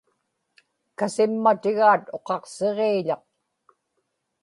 kasimmatigaat uqaqsiġiiḷaq